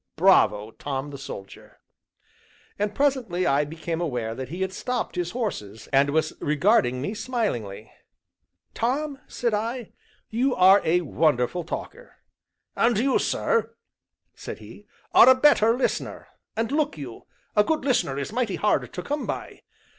Bravo, Tom the Soldier! And presently I became aware that he had stopped his horses, and was regarding me smilingly. "Tom," said I, "you are a wonderful talker!" "And you, sir," said he, "are a better listener, and, look you, a good listener is mighty hard to come by.